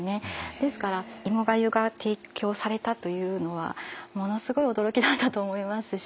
ですから芋粥が提供されたというのはものすごい驚きだったと思いますし。